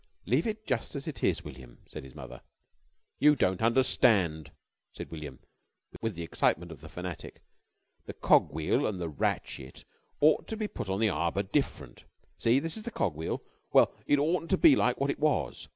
"Leave it just as it is, William," said his mother. "You don't unnerstand," said William with the excitement of the fanatic. "The cog wheel an' the ratchet ought to be put on the arbor different. See, this is the cog wheel. Well, it oughtn't to be like wot it was.